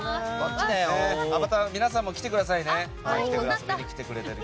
ゲストの皆さんも来てくださいね。